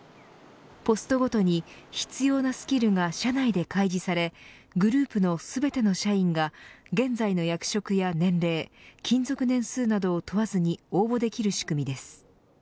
ポストごとに必要なスキルが社内で開示されグループの全ての社員が現在の役職や年齢勤続年数などを問わずに応募できる仕組みです。